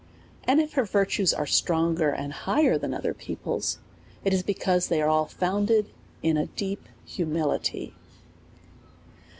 And if her virtues are stronger and higher than other peo ple's, it is because they are all founded in a deep hu mility.